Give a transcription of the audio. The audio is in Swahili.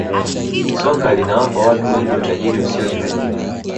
Soka linawapa watu wengi utajiri usiotarajiwa